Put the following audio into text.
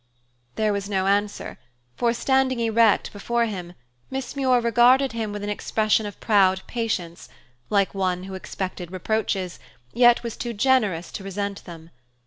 There was no answer, for, standing erect before him, Miss Muir regarded him with an expression of proud patience, like one who expected reproaches, yet was too generous to resent them.